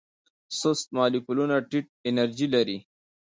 سست مالیکولونه ټیټه انرژي لري.